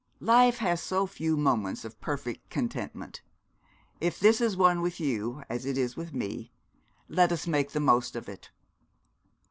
Life has so few moments of perfect contentment. If this is one with you as it is with me let us make the most of it.